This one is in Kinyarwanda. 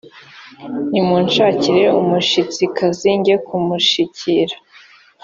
nimunshakire umushitsikazi njye kumushikisha